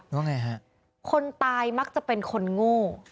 ว่าไงฮะคนตายมักจะเป็นคนโง่